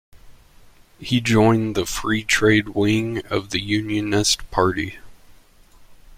He joined the free-trade wing of the Unionist party.